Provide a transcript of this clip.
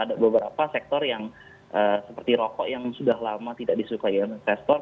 ada beberapa sektor yang seperti rokok yang sudah lama tidak disukai investor